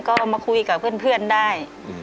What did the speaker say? ก็มาคุยกับเพื่อนได้